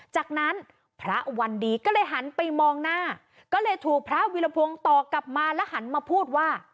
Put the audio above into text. จากนั้นพระวันดีก็เลยหันไปมองหน้าก็เลยถูกพระวิรพงศ์ตอบกลับมาแล้วหันมาพูดว่า